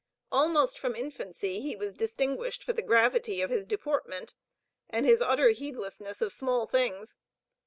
Almost from infancy, he was distinguished for the gravity of his deportment, and his utter heedlessness of small things.